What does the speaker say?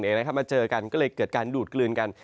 เนี่ยนะครับมาเจอกันก็เลยเกิดการดูดกลืนกัน